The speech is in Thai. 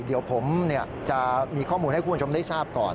เดี๋ยวผมจะมีข้อมูลให้คุณผู้ชมได้ทราบก่อน